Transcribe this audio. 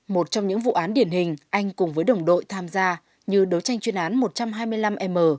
một trong những vụ án điển hình anh cùng với đồng đội tham gia như đấu tranh chuyên án một trăm hai mươi năm m